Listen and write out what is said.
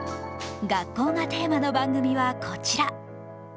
「学校」がテーマの番組はこちら。